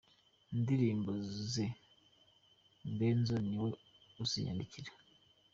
Indirimbo ze, Benzo ni we uziyandikira.